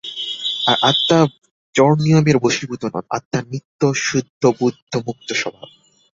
আর আত্মা জড়নিয়মের বশীভূত নন, আত্মা নিত্য-শুদ্ধ-বুদ্ধ-মুক্ত-স্বভাব।